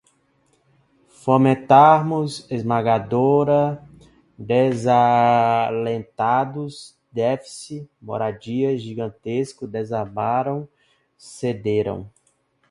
Fomentarmos, esmagadora, desalentados, déficit, moradias, gigantesco, desarmaram, cederam